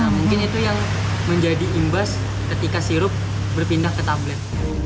mungkin itu yang menjadi imbas ketika sirup berpindah ke tablet